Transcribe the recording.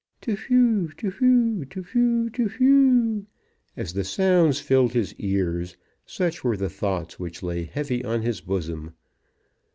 To whew, to whew, to whew, to whew! As the sounds filled his ears, such were the thoughts which lay heavy on his bosom.